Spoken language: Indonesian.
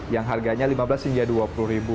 yang harganya rp lima belas hingga rp dua puluh